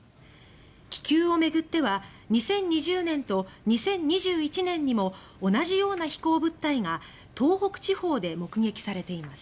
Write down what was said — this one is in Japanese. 気球を巡っては２０２０年と２０２１年にも同じような飛行物体が東北地方で目撃されています。